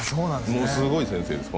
もうすごい先生です